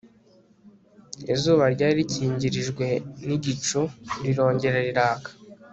izuba ryari rikingirijwe n'igicu rirongera riraka